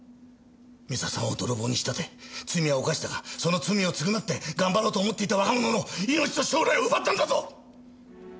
美佐さんを泥棒に仕立て罪は犯したがその罪を償って頑張ろうと思っていた若者の命と将来を奪ったんだぞ！